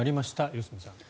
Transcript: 良純さん。